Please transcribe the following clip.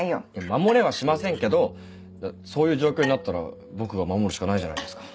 守れはしませんけどそういう状況になったら僕が守るしかないじゃないですか。